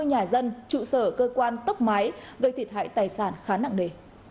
nhà dân trụ sở cơ quan tốc máy gây thiệt hại tài sản khá nặng đề